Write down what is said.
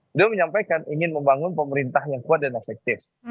beliau menyampaikan ingin membangun pemerintah yang kuat dan efektif